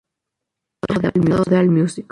Adaptado de Allmusic.